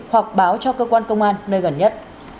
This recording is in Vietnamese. hoặc báo cho cơ quan công an nơi gần nhất